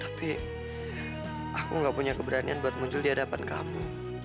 tapi aku gak punya keberanian buat muncul di hadapan kamu